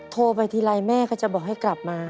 โทรไปทีไรแม่ก็จะบอกให้กลับมา